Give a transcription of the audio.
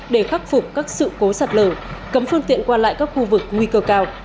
để khắc phục các sự cố sạt lở cấm phương tiện qua lại các khu vực nguy cơ cao